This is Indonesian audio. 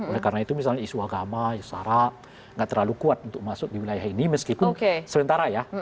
oleh karena itu misalnya isu agama isu sara gak terlalu kuat untuk masuk di wilayah ini meskipun sementara ya